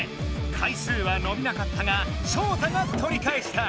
回数はのびなかったがショウタがとりかえした！